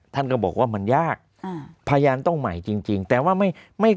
ท่านก็บอกว่ามันยากอ่าพยานต้องใหม่จริงจริงแต่ว่าไม่ไม่